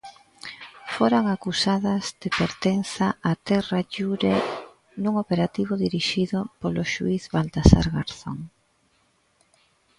Foran acusadas de pertenza a Terra Lliure nun operativo dirixido polo xuíz Baltasar Garzón.